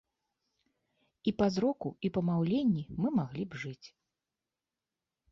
І па зроку, і па маўленні мы маглі б жыць.